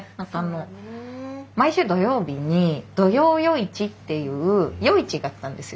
そうだねえ。毎週土曜日に土曜夜市っていう夜市があったんですよ。